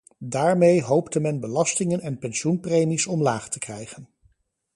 Daarmee hoopte men belastingen en pensioenpremies omlaag te krijgen.